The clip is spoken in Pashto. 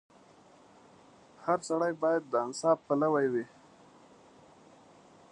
• هر سړی باید د انصاف پلوی وي.